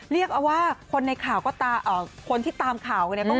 เรียกว่าคนในข่าวก็ตามคนที่ตามข่าวกันเนี่ย